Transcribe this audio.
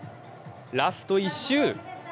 ラスト１周。